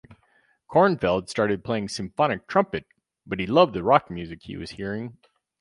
Kornfeld started playing symphonic trumpet but he loved the rock music he was hearing.